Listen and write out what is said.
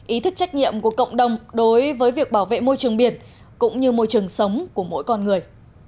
ý thức trách nhiệm của cộng đồng đối với việc bảo vệ môi trường biển cũng như môi trường sống của mỗi con người